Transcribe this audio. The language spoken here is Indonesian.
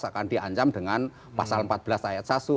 akan diancam dengan pasal empat belas ayat satu